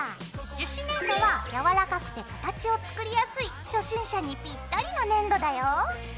樹脂粘土は柔らかくて形を作りやすい初心者にぴったりの粘土だよ。